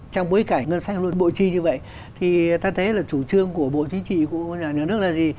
trong bối cảnh ngân sách luôn bộ chi như vậy thì ta thấy là chủ trương của bộ chính trị của nhà nước là gì